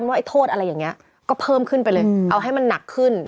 ว่าโทษอะไรอย่างนี้ก็เพิ่มขึ้นไปเลยเอาให้มันหนักขึ้น